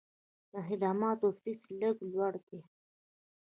د خدماتو فیس لږ لوړ دی.